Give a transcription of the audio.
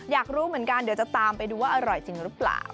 อยากรู้เหมือนกันเดี๋ยวจะตามไปดูว่าอร่อยจริงหรือเปล่า